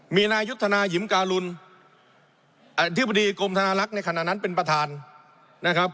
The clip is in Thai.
มีนายุทธนายิมการุลอธิบดีกรมธนาลักษณ์ในขณะนั้นเป็นประธานนะครับ